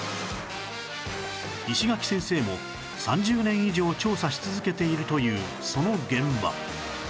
石垣先生も３０年以上調査し続けているというその現場